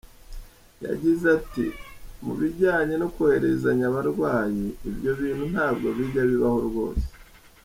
Yagize ati “Mu bijyanye no kohererezanya abarwayi ibyo bintu ntabwo bijya bibaho rwose.